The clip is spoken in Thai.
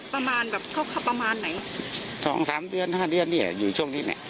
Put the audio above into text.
ประมาณแบบเขาประมาณไหนสองสามเดือนห้าเดือนนี่แหละอยู่ช่วงนี้แหละ